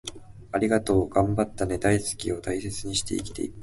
『ありがとう』、『頑張ったね』、『大好き』を大切にして生きていく